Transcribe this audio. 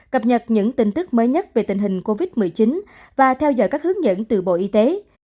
cập nhật những tin tức mới nhất về tình hình covid một mươi chín và theo dõi các hướng dẫn từ bộ y tế